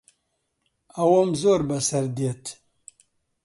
ئەوەم زۆر بەسەر دێت.